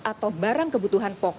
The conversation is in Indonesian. atau barang kebutuhan komersial